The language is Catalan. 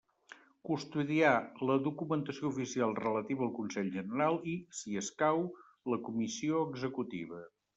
Custodiar la documentació oficial relativa al Consell General i, si escau, la Comissió Executiva.